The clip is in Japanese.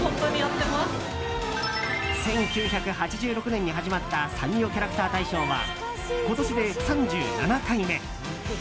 １９８６年に始まったサンリオキャラクター大賞は今年で３７回目。